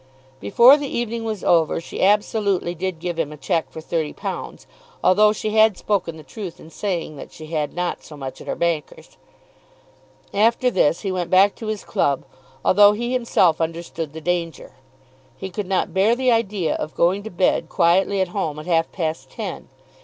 Before the evening was over she absolutely did give him a cheque for £30, although she had spoken the truth in saying that she had not so much at her banker's. After this he went back to his club, although he himself understood the danger. He could not bear the idea of going to bed quietly at home at half past ten.